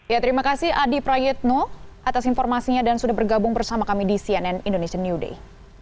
ya terima kasih adi prayetno atas informasinya dan sudah bergabung bersama kami di cnn indonesian new day